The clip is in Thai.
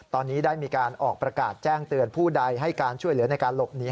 ตอนนี้ได้มีการออกประกาศแจ้งเตือนผู้ใดให้การช่วยเหลือในการหลบหนี